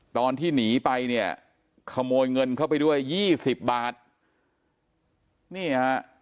ตอนที่หนีไปเนี่ยขโมยเงินเข้าไปด้วยยี่สิบบาทนี่ฮะ